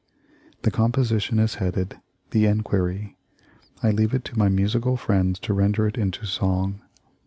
The composition is headed, "The Enquiry." I leave it to my musical friends to render it into song.